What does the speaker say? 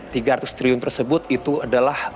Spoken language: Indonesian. tiga ratus triliun tersebut itu adalah